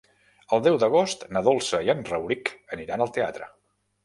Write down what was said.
El deu d'agost na Dolça i en Rauric aniran al teatre.